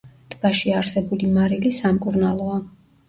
ტბაში არსებული მარილი სამკურნალოა.